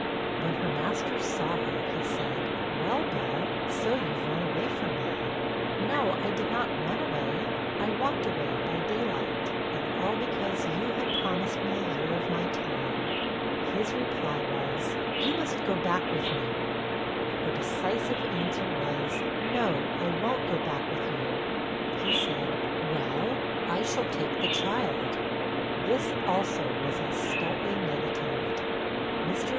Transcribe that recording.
When her master saw her, he said, 'Well, Bell, so you've run away from me.' 'No, I did not run away; I walked away by day light, and all because you had promised me a year of my time.' His reply was, 'You must go back with me.' Her decisive answer was, 'No, I won't go back with you.' He said, 'Well, I shall take the child.' This also was as stoutly negatived. Mr.